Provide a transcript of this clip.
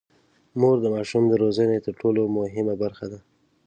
مور د ماشوم د روزنې تر ټولو مهمه برخه ده.